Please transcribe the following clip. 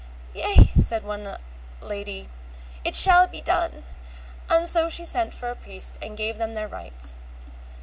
Yea, said the lady, it shall be done; and so she sent for a priest and gave them their rights.